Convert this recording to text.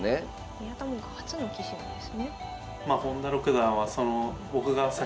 宮田門下初の棋士なんですね。